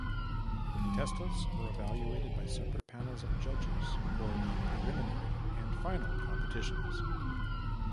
Contestants were evaluated by separate panels of judges for the preliminary and final competitions.